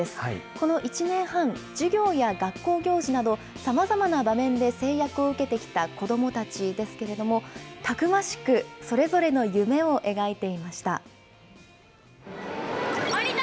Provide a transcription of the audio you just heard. この１年半、授業や学校行事など、さまざまな場面で制約を受けてきた子どもたちですけれども、たくましくそれぞれの夢を描いていました。